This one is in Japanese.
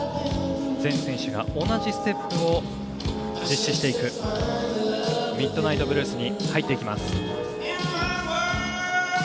全選手が同じステップを実施していくミッドナイトブルースに入っていきます。